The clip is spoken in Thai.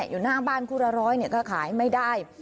อยู่หน้าบ้านคู่ละร้อยก็ขายไม่ได้